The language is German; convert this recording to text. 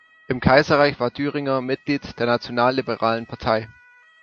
Im Kaiserreich war Düringer Mitglied der Nationalliberalen Partei.